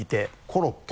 コロッケ？